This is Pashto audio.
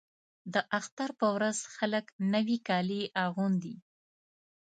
د اختر په ورځ خلک نوي کالي اغوندي.